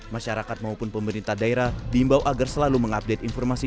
masyarakat maupun pemerintah daerah diimbau agar selalu mengupdate informasi